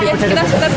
kita setar sini saja